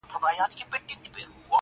پر خپل کور به د مرګي لاري سپرې کړي؛